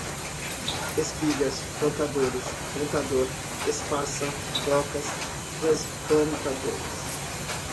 debulhar, debulhadores, espigas, plantadores, plantador, espaça, brocas, transplantadores, semeadores